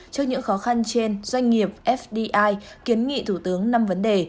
trước những khó khăn trên doanh nghiệp fdi kiến nghị thủ tướng năm vấn đề